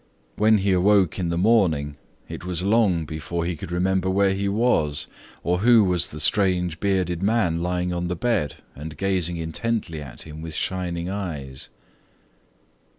When he awoke in the morning, it was long before he could remember where he was, or who was the strange bearded man lying on the bed and gazing intently at him with shining eyes.